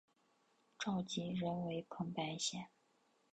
召集人为彭百显。